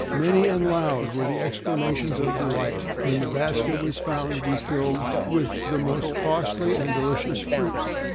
Many and loud were the exclamations of delight when the basket was found to be filled with the mostly costly and delicious fruit.